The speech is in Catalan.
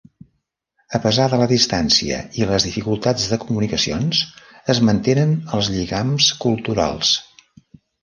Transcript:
A pesar de la distància i les dificultats de comunicacions es mantenen els lligams culturals.